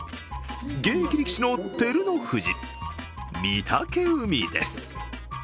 現役力士の照ノ富士、御嶽海です。